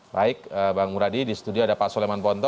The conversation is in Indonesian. baik bang muradi di studio ada pak soleman ponto